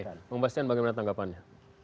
oke mempastian bagaimana tanggapannya